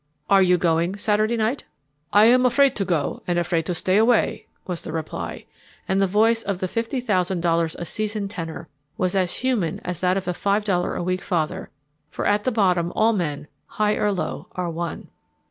"Are you going Saturday night?" "I am afraid to go and afraid to stay away," was the reply, and the voice of the fifty thousand dollars a season tenor was as human as that of a five dollar a week father, for at bottom all men, high or low, are one.